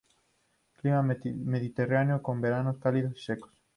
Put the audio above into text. Clima mediterráneo, con veranos cálidos y secos.